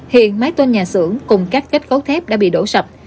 hiện mái tôn nhà sưởng cùng các kết khấu thép đã bị đổ sập